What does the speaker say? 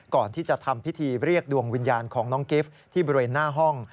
ก่อนที่จะทำพิธีเรียกดวงวิญญาณของน้องกิฟต์ที่บริเวณหน้าห้อง